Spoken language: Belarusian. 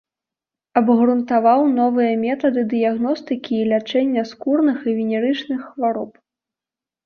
Абгрунтаваў новыя метады дыягностыкі і лячэння скурных і венерычных хвароб.